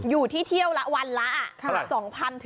อยู่ที่เที่ยววันละ๒๐๐๐ถึง๖๐๐๐บาท